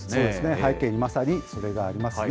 背景にまさにそれがありますね。